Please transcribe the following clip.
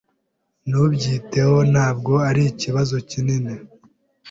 Ntubyiteho. Ntabwo ari ikibazo kinini.